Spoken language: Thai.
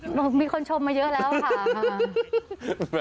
มีคนชมมาเยอะแล้วค่ะ